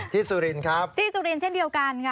สุรินครับที่สุรินทร์เช่นเดียวกันค่ะ